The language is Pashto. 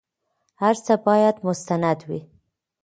هر څه بايد مستند وي.